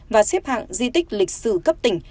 và xếp hạng di tích lịch sử cấp tỉnh